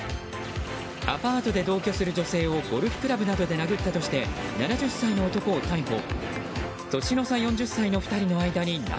アパートで同居する女性をゴルフクラブなどで殴ったとして７０歳の男を逮捕。